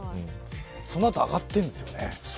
その後、上がってるんですよね。